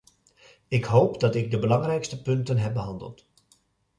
Ik hoop dat ik de belangrijkste punten heb behandeld.